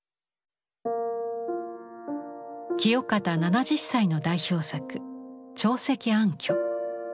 清方７０歳の代表作「朝夕安居」。